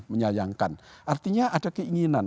menyayangkan artinya ada keinginan